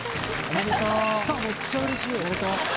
やっためっちゃうれしい。